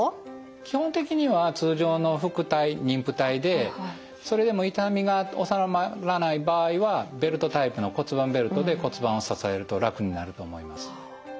基本的には通常の腹帯妊婦帯でそれでも痛みが治まらない場合はベルトタイプの骨盤ベルトで骨盤を支えると楽になると思います。